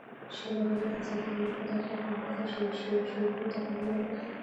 شعر و هنر انسان ته د معرفت او خیال په مرسته شعوري تکامل وربخښي.